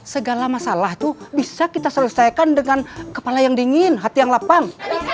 segala masalah itu bisa kita selesaikan dengan kepala yang dingin hati yang lapang